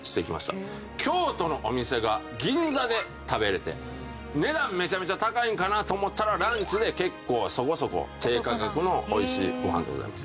京都のお店が銀座で食べられて値段めちゃめちゃ高いんかなと思ったらランチで結構そこそこ低価格の美味しいご飯でございます。